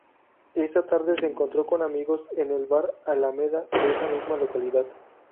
Esa tarde se encontró con amigos en el bar Alameda de esa misma localidad.